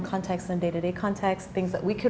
dalam konteks hari hari hal hal yang bisa kita pakaikan